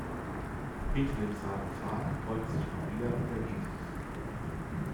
Hinter dem Sarkophag beugt sich Maria über Jesus.